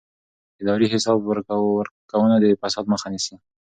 اداري حساب ورکونه د فساد مخه نیسي